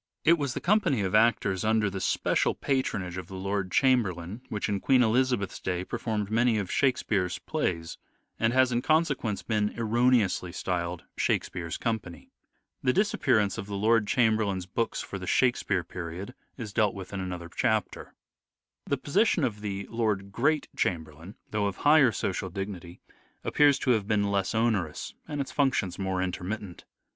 It was the company of actors under the special patronage of the Lord Chamberlain which in Queen Elizabeth's day per formed many of " Shakespeare's " plays, and has in consequence been erroneously styled " Shakespeare's Company." The disappearance of the Lord Chamber ANCESTRY OF EDWARD DE VERE 220, Iain's books for the " Shakespeare " period is dealt with in another chapter. The position of the Lord Great Chamberlain, though of higher social dignity, appears to have been less onerous and its functions more intermittent.